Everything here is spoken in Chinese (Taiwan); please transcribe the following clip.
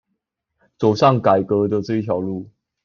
走上改革的這一條路